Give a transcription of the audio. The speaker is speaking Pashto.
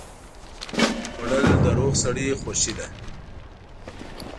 خوړل د روغ سړي خوښي ده